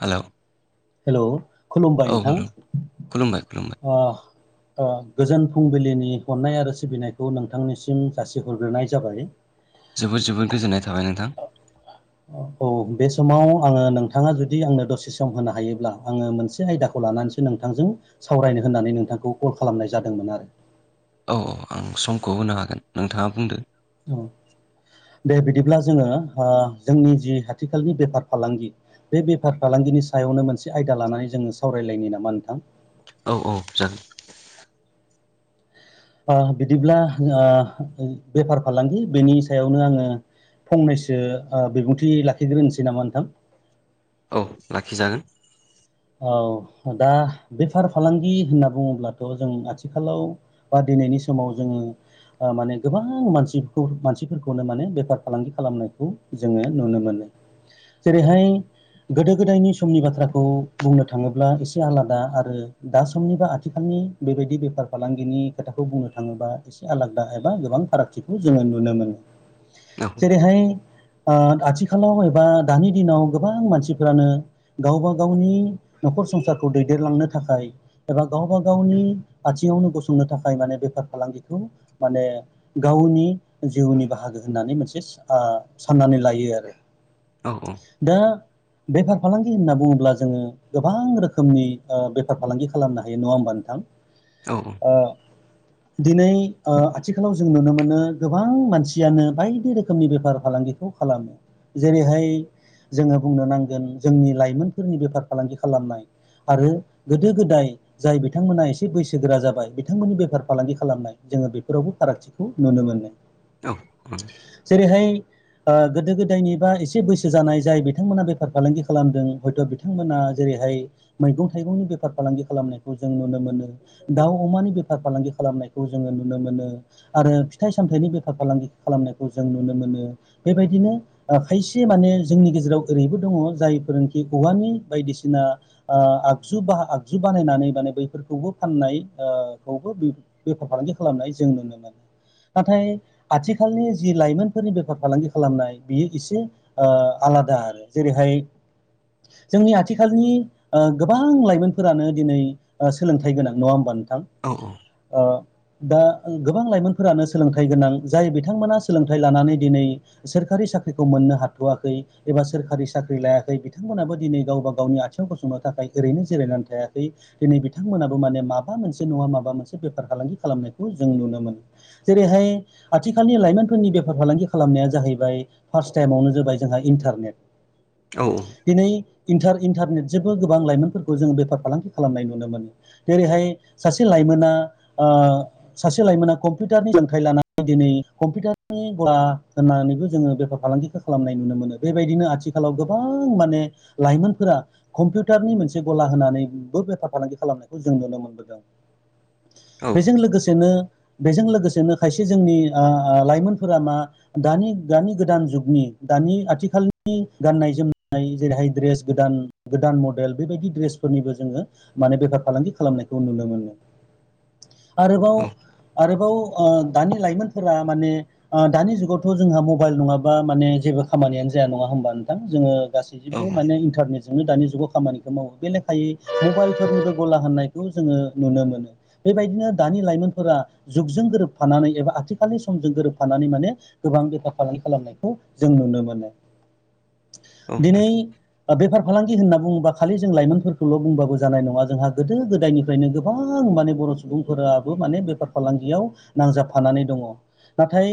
Hello hello खुलुमबाय औ नोंथां। हेलौ खुलुमबाय खुलुमबाय [inaudible] ओ ओ गोजोन फुंबिलिनि अननाय आरो सिबिनायखौ नोंथांनिसिम जासिहरग्रोनाय जाबाय जोबोर जोबोर गोजोननाय थाबाय नोंथां औ बे समाव आङो नोंथाङा जुदि आंनो दसे सम होनो हायोब्ला आङो मोनसे आयदाखौ लानानैसो नोंथांजों सावरायनो होननानै नोंथांखौ कल खालामनाय जादोंमोन आरो अ आं समखौ होनो हागोन नोंथाङा बुंदो औ दे बिदिब्ला जोङो ओ जोंनि जि आथिखालनि बेफार फालांगि बे बेफार फालां गिनि सायावनो मोनसे आयदा लानानै जोङो सावरायलायनि नामा नोंथां औ औ जागोन [unintelligible] ओ बिदिब्ला ओ बेफार फालांगि बेनि सायावनो आङो फंनैसो ओ बिबुंथि लाखिग्रोनोसै नामा नोंथां औ लाखिजागोन औ दा बेफार फालांगि होनना बुङोब्लाथ' जों आथिखालाव बा दिनैनि समाव जोङो माने गोबां मानसिखौ मानसिफोरखौनो माने बेफार फालांगि खालामनायखौ जोङो नुनो मोनो जेरैहाय गोदो गोदायनि समनि बाथ्राखौ बुंनो थाङोब्ला एसे आलादा आरो दा समनि बा आथिखालनि बेबायदि बेफार फालांगिनि खोथाखौ बुंनो थाङोबा एसे आलादा एबा गोबां फारागथिखौ जोङो नुनो मोनो औ जेरैहाय ओ आथिखालाव एबा दानि दिनाव गोबां मानसिफोरानो गावबा गावनि न'खर संसारखौ दैदेनलांनो थाखाय एबा गावबा गावनि आथिङावनो गसंनो थाखाय माने बेफार फालांगिखौ माने गावनि जिउनि बाहागो होननानै मोनसे ओ साननानै लायो आरो औ दा बेफार फालांगि होनना बुङोब्ला जोङो गोबां रोखोमनि ओ बेफार फालांगि खालामनो हायो नङा होमबा नोंथां औ औ ओ दिनै ओ आथिखालाव जों नुनो मोनो गोबां मानसियानो बायदि रोखोमनि बेफार फालांगिखौ खालामो जेरैहाय जोङो बुंनो नांगोन जोंनि लाइमोनफोरनि बेफार फालांगि खालामनाय आरो गोदो गोदाय जाय बिथांमोना एसे बैसोगोरा जाबाय बिथांमोननि बेफार फालांगि खालामनाय जोङो बेफोरावबो फारागथिखौ नुनो मोनो औ औ जेरैहाय ओ गोदो गोदायनि बा एसे बैसो जानाय जाय बिथांमोना बेफार फालांगि खालामदों हयथ' बिथां मोना जेरैहाय मैगं थाइगंनि बेफार फालांगि खालामनायखौ जों नुनो मोनो दाउ अमानि बे फार फालांगि खालामनायखौ जोङो नुनो मोनो आरो फिथाइ सामथाइनि बेफार फालांगि खालामनायखौ जों नुनो मो नो बेबायदिनो खायसे माने जोंनि गेजेराव ओरैबो दङ जाय [unintelligible] औवानि बायदिसिना ओ आगजु आगजु बानायनानै माने बैफोरखौबो फाननाय ओ खौ बेफार फालांगि खालामनाय जों नुनो मोनो नाथाय आथिखालनि जि लाइमोनफोरनि बेफार फालांगि खालामनाय बियो एसे ओ आलादा आरो जेरैहाय जोंनि आथिखालनि ओ गोबां लाइमोनफोरानो दिनै ओ सोलोंथाइ गोनां नङा होमबा नों थां औ ओ दा गोबां लाइमोनफोरानो सोलोंथाइ गोनां जाय बिथांमोना सोलोंथाइ लानानै दिनै सोरखारि साख्रिखौ मोननो हाथ'वाखै एबा सोरखारि साख्रि लायाखै बिथांमोनाबो दिनै गावबा गावनि आथिङाव गसंनो थाखाय ओरैनो जिरायनानै थायाखै दिनै बिथांमोनाबो माने माबा मोनसे नङा माबा मोनसे बेफार फालांगि खालामनाय जों नुनो मोनो जेरैहाय आथिखालनि लाइमोनफोरनि बेफार फालांगि खालामनाया जाहैबाय फार्स् टाइमावनो जाबाय जोंहा इन्टारनेट औ दिनै इन्टारनेट जोंबो गोबां लाइमोनफोरखौ जों बेफार फालांगि खालामनाय नुनो मोनो जेरैहाय सासे लाइमोन ना ओ सासे लाइमोना कम्पिउटारनि सोलोंथाइ लानानै दिनै कम्पिउटारनि बा होननानैबो जोंङो बेफार फालांगिखौ खालामनाय नुनो मोनो बेबायदिनो आथिखालाव गोबां माने लाइमोनफोरा कम्पिउटारनि मोनसे गला होनानै बो बेफार फालांगि खालामनायखौ जों नुनो मोनबोदों बेजों लोगोसेनो बेजों लोगोसेनो खायसे जोंनि ओ ओ लाइमोनफोरा मा दानि-दानि गोदान जुगनि दानि आथिखालनि गाननाय जोमनाय जेरैहाय दड्रेस गोदान गोदान मडेल बेबायदि दड्रेसफोरनिबो जोंङो माने बेफार फालांगि खालामनायखौ नुनो मोनो आरोबाव आरोबाव ओ दानि लाइमोनफोरा माने ओ दानि जुगावथ' जोंहा मबाइल नङाबा माने जेबो खामानियानो जाया नङा हबा नोंथां जो गैबो माने इन्टारनेटजोंनो दानि ज जग खामानिखौ मावो बे लेखायै मबाइलफोर गला होननायखौ जोंङो नुनो मोनो बेबायदिनो दानि लाइमोनफोरा जुगजों गोरोबफानानै एबा आथिखालनि समजों गोरोबफानानै माने गोबां बेफार फालां खालामनायखौ जों नुनो मोनो औ दिनै ओ बेफार फालांगि होनना बुङोबा खालि जों लाइमोनफोरखौल' बुंबाबो जानाय नङा जोंहा गोदो गोदायनिफ्रायनो गोबां बां माने बर' सुबुंफोराबो माने बेफार फालांगियाव नांजाबफानानै दङ नाथाय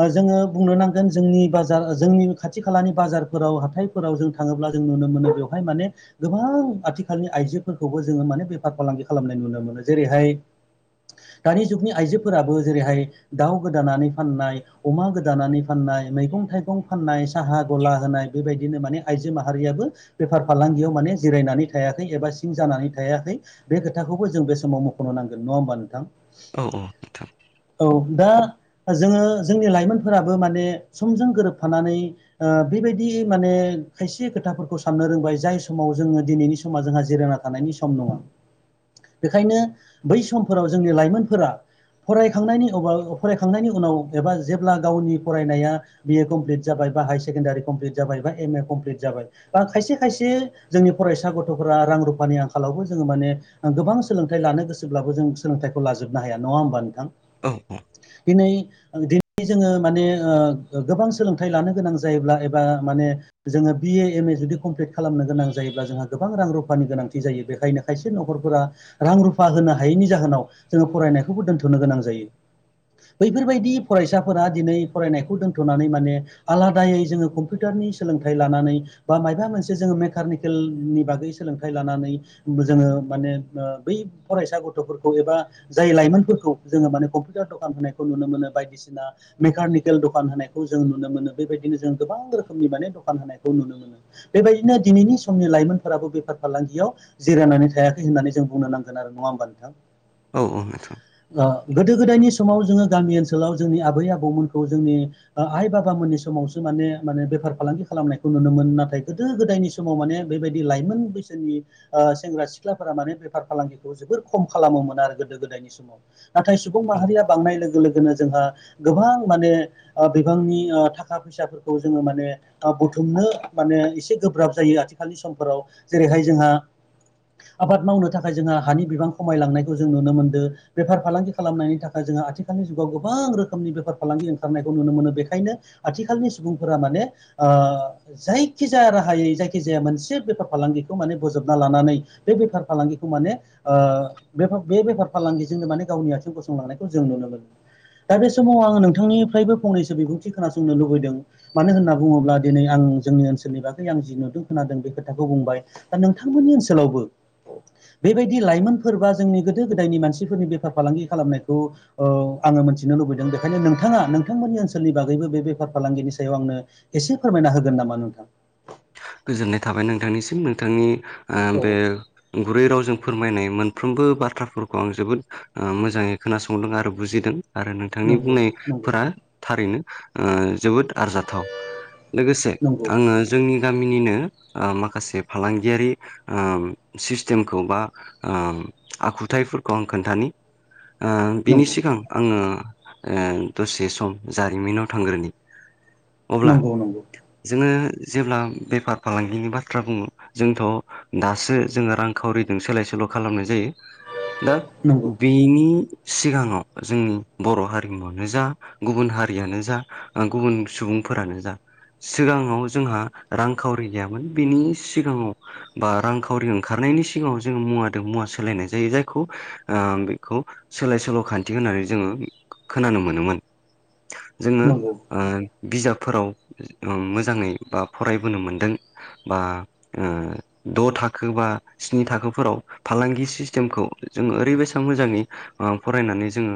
ओ जोंङो बुंनो नांगोन जोंनि बाजार जोंनि खाथि खालानि बाजारफोराव हाथायफोराव जों थाङोब्ला जों नुनो मोनो बेवहाय माने गोबां आथिखालनि आइजोफोरखौबो जोंङो माने बेफार फालांगि खालामनाय नुनो मोनो जेरैहाय दानि जुगनि आइजोफोराबो जेरैहाय दाउ गोदानानै फाननाय अमा गोदानानै फाननाय नाय मैगं थाइगं फाननाय साहा गला होनाय बेबायदिनो माने आइजो माहारियाबो बेफार फालांगियाव माने जिरायनानै थायाखै एबा सिं जानानै थायाखै बे खोथा बखौबो जों बे समाव मख'नो नांगोन नंङा होमबा नोंथां? औ औ नोंथां जोंङो जोंनि लाइमोनफोराबो माने समजों गोरोबफानानै ओ बेबायदियै माने खायसे खोथाफोरखौ साननो रोंबाय जाय समाव जोंङो दिनैनि समा जोंहा जिरायना थानायनि सम नंङा बेखायनो बै समफोराव जोंनि लाइमोनफोरा फरायखांनायनि उनाव अबाव फरायखांनायनि उनाव एबा जेब्ला गावनि फरायनाया बि ए कमप्लिट जाबाय बा हायार सेकण्डारि कमप्लिट जायब एबा एमे कमप्लिट जाबाय बा खायसे खायसे जोंनि फरायसा गथ'फोरा रां रुफानि आंखालावबो जोंङो माने ओ गोबां सोलोंथाइ लानो गोसोब्लाबो जों सोलोंथाइखौ लाजोबनो हाया नंङा होमबा नोंथां दिनै दिनै जोंङो माने ओ गोबां सोलोंथाइ लानो गोनां जायोब्ला एबा माने जोङो बिए एम ए जुदि कमप्लिट खालामनो गोनां जायोब्ला जोंहा गोबां रां रुफानि गोनांथि जायो बेखायनो खायसे न'खर फोर रां रुफा होनो हायैनि जाहोनाव जोंङो फरायनायखौबो दोनथ'नो गोनां जायो बैफोरबायदि फरायसाफोरा दिनै फरायनायखौ दोनथ'नानै माने आलादायै जोंङो कम्पिटारनि स सोलोंथाइ लानानै बा मायाबा मोनसे जोंङो मेकानिकेलनि बागै सोलोंथाइ लानानै जोंङो माने ओ बै फरायसा गथ'फोरखौ एबा जाय लाइमोनफोरखौ जोङो माने कम्पिउटार दखान होनाय खौ नुनो मोनो बायदिसिना मेकानिकेल दखान होनायखौ जों नुनो मोनो बेबायदिनो जों गोबां रोखोमनि माने दखान होनायखौ नुनो मोनो बेबायदिनो दिनैनि समनि लाइमोनफोराबो बेफार फालांगियाव जिरायनानै थायाख नानैजों बुंनो नांगोन आरो नङा होमबा नोंथां नोंथां औ ओ गोदो गोदायनि स समाव जोंङो गामि ओनसोलाव जोंनि आबै आबौमोनखौ जोंनि ओ आइ बाबामोननि समावसो माने-माने बे फार फालांगि खालामनायखौ नुनो मोन नाथाय गोदो गोदायनि समाव माने बेबायदि लाइमोन बैसोनि ओ सेंग्रा सिख्लाफोरा माने बेफार फालांगिखौ जोबोद खम खालामोमोन आरो गोदो गोदायनि समाव नाथाय सुबुं माहारिया बांनाय लोगो लोग नो जोंहा गोबां माने ओ बिबांनि ओ थाखा फैसाफोरखौ जोंङो माने ओ बुथुमनो माने एसे गोब्राब जायो आथिखालनि समफोराव जेरैहाय जोंहा आबाद मावनो थाखाय जोंहा हानि बिबां खमायलांनायखौ जों नुनो मोनदों बेफार फालांगि खालामनायनि थाखाय जों आथिखालनि जुगाव गोबां रोखोमनि बेफार फालांगि ओंखारनायखौ नुनो मोनो बेखायनो आथिखालनि सुबुंफोरा माने ओ जायखिजाया राहायै जायखिजाया मोनसे बेफार फालांगिखौ माने बजबना लानानै बे बेफार फालांगि खौ माने ओ बेफो बे बेफारफालांगिजोंनो माने गावनि आथिं गसंलांनायखौ जों नुनो मोनो दा बे समाव आङो नोंथांनिफ्रायबो फंनैसो बिबुंथि खोनासंनो लुबैदों मानो होनना बुङोब्ला दिनै आं जोंनि ओनसोलनि बागै आं जि नुदों खोनादों बे खोथाखौ बुंबाय। दा नोंथांमोननि ओनसोलावबो बेबायदि लाइमोनफोर बा जोंनि गोदो गोदायनि मानसिफोरनि बेफार फालांगि खालामनायखौ औ आङो मिथिनो लुबैदों बेखायनो नोंथाङा नोंथांमोननि ओनसोलनि बागैबो बे बेफार फालांगिनि सायाव आंनो एसे फोरमायना होगोन नामा नोंथां? गोजोननाय थाबाय नोंथांनिसिम नोंथांनि ओ औ बे गुरै रावजों फोरमायनाय मोनफ्रोमबो बाथ्राफोरखौ आं जोबोद ओ मोजाङै खोनासंदों आरो बुजिदों। आरो नोंथांनि नंगौ नंगौ बुंनायफोरा थारैनो ओ जोबोद आरजाथाव, लोगोसे आङो जोंनि गामिनिनो ओ माखासे फालांगियारि ओ सिस्टेमखौ बा ओम आखुथायफोरखौ आं खोन्थानि। [inaudible] ओ बिनि सिगां आङो ओ दसे सम जारिमिनाव थांग्रोनि। अब्ला नंगौ नंगौ जोङो जेब्ला बेफार फालांगिनि बाथ्रा बुङो जोंथ' दासो जोङो रांखावरिजों सोलाय सोल' खालामनाय जायो। दा बिनि सिगाङाव जोंनि बर' हारिमुवानो जा गुबुन हारियानो जा ओ गुबुन सुबुं फोरानो जा सिगाङाव जोंहा रांखावरि गैयामोन बिनि सिगाङाव बा रांखावरि ओंखारनायनि सिगाङाव जोङो मुवा दों मुवा सोलायनाय जायो जायखौ ओ बेखौ सोलाय सोल' खान्थि होननानै जोङो खोनानो मोनोमोन। जोङो ओ बिजाबफोराव ओम मोजाङै बा फरायबोनो मोन्दों बा ओ द' थाखो बा स्नि थाखोफोराव फालांगि सिस्टेमखौ जोङो ओरैबायसा मोजाङै ओ फरायनानै जोङो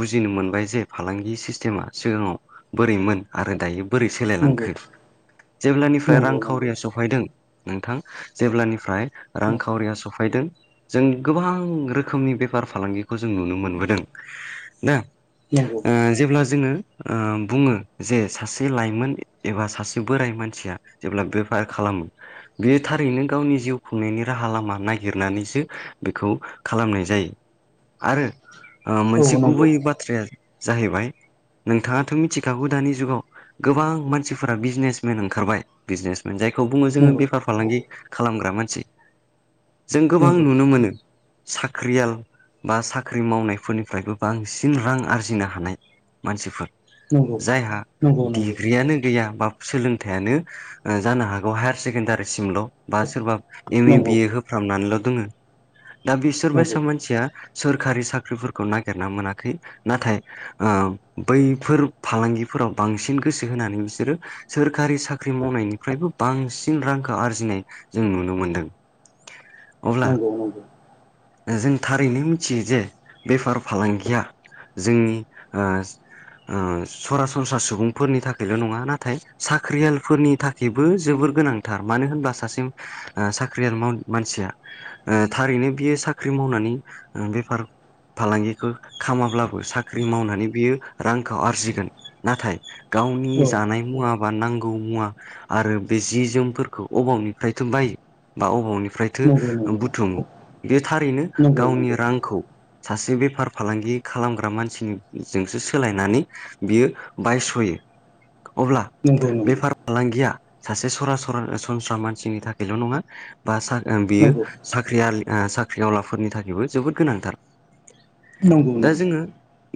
बुजिनो मोनबाय जे फालांगि सिस्टेमा सि सिगाङाव बोरैमोन आरो दायो बोरै सोलायलांखो, जेब्लानिफ्राय रांखावरिया सौफायदों नोंथां, जेब्लानिफ्राय नंगौ रांखावरिया सौफैदों जों गोबां रोखोमनि बेफार फालांगिखौ जों नुनो मोनबोदों। दा नंगौ ओ नंगौ जेब्ला जोङो ओ बुङो जे सासे लाइमोन एबा सासे बोराय मान थिया जेब्ला बेफार खालामो बे थारैनो गावनि जिउ खुंनायनि राहा लामा नागिरनानैसो सो बेखौ खालामनाय जायो। आरो ओ औ मोनसे नंगौ गुबैयै बाथ्राया जाहैबाय नोंथाङाथ' मिथिखागौ दानि जुगाव गोबां मानसिफोरा बिजनेसमेन ओंखारबाय बिजनेसमेन जायखौ बुङो जोङो नंगौ बेफार फालांगि खालामग्रा मानसि। जों गोबां नंगौ नंगौ नुनो मोनो साख्रियाल बा साख्रि मावनायफोरनिफ्रायबो बांसिन रां आरजिनो हानाय मानसिफोर। जायहा नंगौ नंगौ डिग्रियानो गैया बा सोलों थायानो जानो हागौ हायार सेकेणडारिसिमल'। बा सोरबा एम ए बिए होफ्रामनानैल' दोङो, दा नंगौ बिसोरबायसा मानसिया सोरकारि साख्रिफोरखौ नागिरना मोनाखै नाथाय ओ बैफोर फालांगिफो फोराव बांसिन गोसो होनानै बिसोरो सोर कारि साख्रि मावनायनिफ्रायबो बांसिन रांखौ आरजिनाय जों नुनो मोनदों। अब्ला नंगौ नंगौ। जों थारैनो मिथियो जे बेफार फालांगिया जोंनि ओ ओ सरासनस्रा सुबुंफोरनि थाखायल' नङा नाथाय साख्रियालफोरनि थाखायबो जोबो द गोनांथार मानो होनब्ला सासे ओ साख्रियाल माव मानसिया ओ थारैनो बियो सा फाख्रि मावनानै ओ बेफार फालांगिखौ खामाब्लाबो साख्रि मावनानै बियो रांखौ आरजिगोन नाथाय गा औ गावनि जानाय मुवा बा नांगौ मुवा आरो बे जि जोमफोरखौ अबावनिफ्रायथ' बायो? बा अबावनि नंगौ फ्रायथो नंगौ बुथुमो बे थारैनो नंगौ नंगौ गावनि रांखौ सासे बे फार फालांगि खालामग्रा मानसिजोंसो सोलायनानै बियो बायस'यो। अब्ला नंगौ बेफार फालांगिया सासे सरासर सनस्रा मानसिनि थाखायल' नङा बा सा बियो नंगौ साख्रिआल आ साख्रिआवलाफोरनि थाखायबो जोबोद गोनांथार। नंगौ दा नंगौ जोङो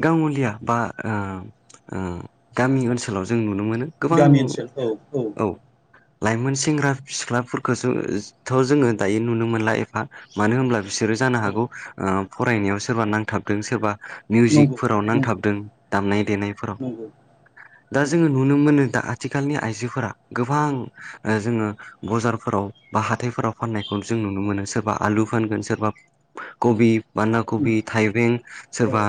गाङलिया बा ओम ओ गामि ओनसोलाव जों नुनो मोनो। गोबां गामि ओनसोल औ औ। लाइमोन औ सेंग्रा सिख्लाफोरखौसोथ' जोङो दायो नुनो मोनला एफा मानो होनब्ला बिसोरो जानो हागौ ओम फरायनायाव सोरबा नांथाबदों सोरबा नंगौ मिउजिकफोराव नंगौ नांथाबदों दामनाय देनायफोराव नंगौ दा नंगौ जोङो नुनो मोनो। दा आथिखालनि आइजोफोरा गोबां ओ जोङो बजारफोराव बा हाथाइफोराव फाननायखौ जों नुनो मोन सोरबा आलु फानगोन सोर बा कबि बान्दाकबि उम थाइबें औ सोरबा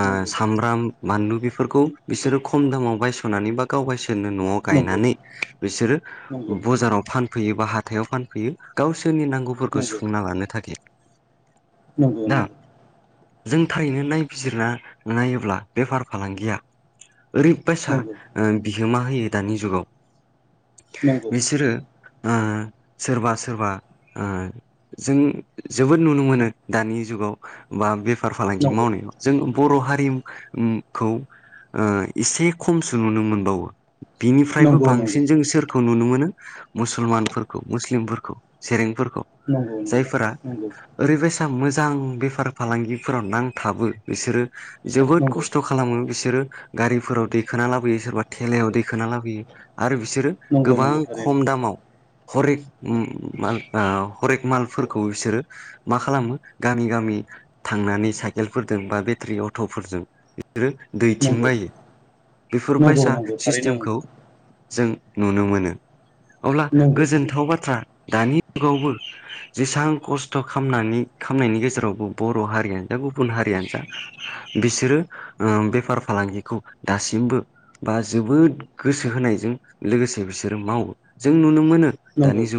ओ नंगौ सामब्राम माल नु बिफोरखौ बिसोरो खम दायाव बायस'नानै बा गावगाय दोननो न'आव नंगौ गायनानै बिसोरो नंगौ बजाराव फान फैयो बा हाथायाव फानफैयो गावसोरनि नांगौफोरखौ नंगौ सुफुंना लानो थाखाय। नंगौ दा नंगौ जों थाहैनो नायबिजिरना नायोब्ला बेफार फालांगिया ओरैबायसा नंगौ ओ बिहोमा होयो दानि जुगाव नंगौ बिसोरो ओ सोरबा सोरबा ओ जों जोबोद नुनो मोनो दानि जुगाव बा बेफार फालांगि मावनायाव जों बर' हारिम उम खौ ओ एसे खमसो नुनो मोनबावो बिनिफ्रायबो नंगौ नंगौ नंगौ बांसिन जों सोर खौ नुनो मोनो मुसलमानफोरखौ मुस्लिमफोरखौ सेरेंफोर नंगौ नंगौ नंगौ ओरैबायसा मोजां बेफार फालांगिफोराव नांथाबो बिसोरो जोबोद नंगौ खस्थ' खालामो बिसोरो गारिफोराव दैखोना लाबोयो सोरबा थेलायाव दैखोना लाबोयो। आरो बिसोरो नंगौ गोबां नंगौ थारैनो खम दामाव हरेक उम मा ओ हरेक मालफोरखौ बिसोरो मा खालामो गामि गामि थांनानै साइकेलफोरजों बा बेटारि अट'फोरजों आरो दैथिं नंगौ बायो बेफोर नंगौ बायसा नंगौ थारैनो सिस्टेमखौ नंगौ जों नुनो मोनो अब्ला नंगौ नंगौ गोजोनथाव बाथ्रा दानि गावबो जेसेबां खस थ' खामनानि खामनायनि गेजेरावबो बर' हारियानो जा गुबुन हारियानो जा बिसोरो ओ बेफार फालांगिखौ दासिमबो बा जोबोद गोसो होनायजों लोगोसे बिसोरो मावो जों नुनो मोनो दानि नंगौ जुग